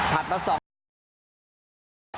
ถัดมา๒วัน